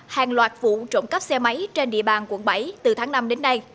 hàng loạt vụ trộm cắp xe máy trên địa bàn quận bảy từ tháng năm đến nay